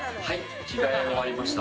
着替え終わりました。